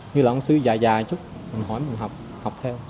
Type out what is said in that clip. như là ông sư dài dài chút mình hỏi mình học học theo